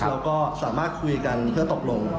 เราก็สามารถคุยกันเพื่อตกลง